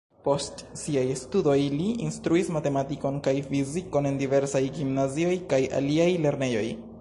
Post siaj studoj li instruis matematikon kaj fizikon en diversaj gimnazioj kaj aliaj lernejoj.